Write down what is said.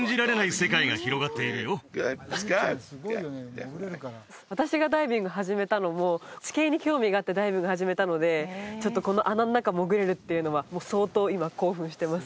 レッツゴー私がダイビング始めたのも地形に興味があってダイビング始めたのでこの穴の中潜れるっていうのはもう相当今興奮してます